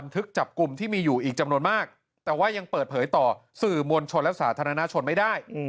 ถ้ายังเปิดเผยต่อสื่อมวลชนและสาธารณาชนไม่ได้